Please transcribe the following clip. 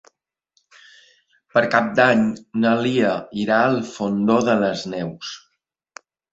Per Cap d'Any na Lia irà al Fondó de les Neus.